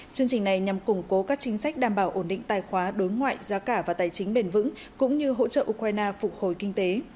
chương trình này nhằm củng cố các chính sách đảm bảo ổn định tài khoá đối ngoại giá cả và tài chính bền vững cũng như hỗ trợ ukraine phục hồi kinh tế